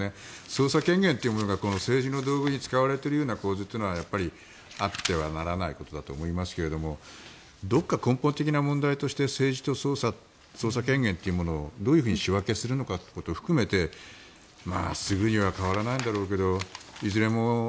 捜査権限というものが政治の道具に使われているような構図はあってはならないことだと思いますがどこか根本的な問題として政治と捜査権限というものをどういうふうに仕分けするのかを含めてすぐには変わらないんだろうけどいずれ